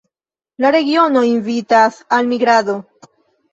La regiono invitas al migrado.